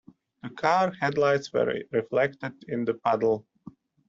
The car headlights were reflected in the puddle.